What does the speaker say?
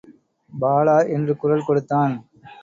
பாலா...! என்று குரல் கொடுத்தான்.